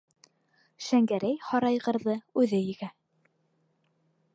Шәңгәрәй һарайғырҙы үҙе егә.